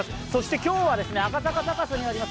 今日は赤坂サカスにあります